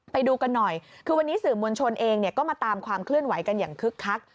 ไปดูกันหน่อยคือวันนี้สื่อมวลชนเองก็มาตามความเคลื่อนไหวกันอย่างคึกคัก